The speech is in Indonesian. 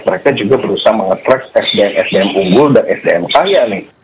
mereka juga berusaha mengetrack sdm sdm unggul dan sdm kaya nih